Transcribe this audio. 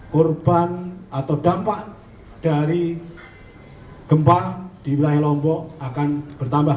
korban atau dampak dari gempa di wilayah lombok akan bertambah